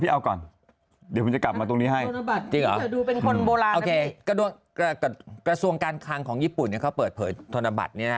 เอาทีเอาก่อนเถอะเป็นคนโบราณไอ้กระทรวงการคลังของญี่ปุ่นเขาเปิดเผยว่าทนบัตร